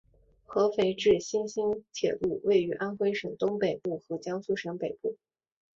合肥至新沂铁路位于安徽省东北部和江苏省北部。